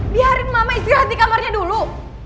biarin mama istirahat di kamarnya dulu